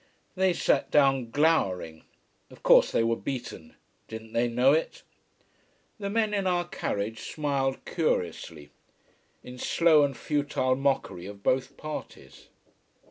They sat down glowering. Of course they were beaten. Didn't they know it. The men in our carriage smiled curiously: in slow and futile mockery of both parties.